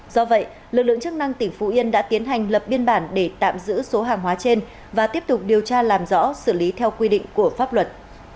do vậy lực lượng chức năng tỉnh phú yên đã tiến hành lập biên bản để tạm giữ số hàng hóa trên và tiếp tục điều tra làm rõ xử lý theo quy định của pháp luật